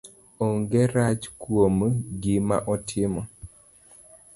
Onge rach kuom gima otimo